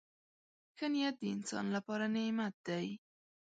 • ښه نیت د انسان لپاره نعمت دی.